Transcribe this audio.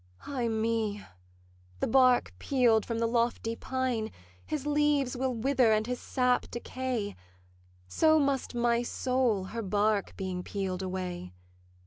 Ay me! the bark peel'd from the lofty pine, His leaves will wither and his sap decay; So must my soul, her bark being peel'd away.